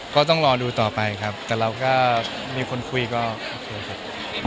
ก็ต้องรอดูต่อไปครับแต่เราก็มีคนคุยก็โอเคครับ